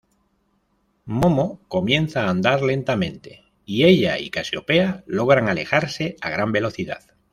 Momo comienza a andar lentamente y ella y Casiopea logran alejarse a gran velocidad.